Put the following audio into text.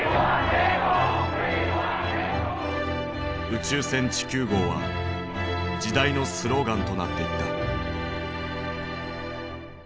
「宇宙船地球号」は時代のスローガンとなっていった。